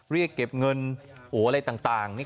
เรียกเก็บเงินเดี๋ยวอะไรต่าง